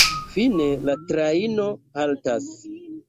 Fine la trajno haltas.